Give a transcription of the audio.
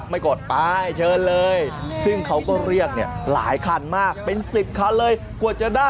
มิตเตอร์หรือเปล่า